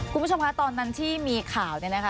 คุณผู้ชมคะตอนนั้นที่มีข่าว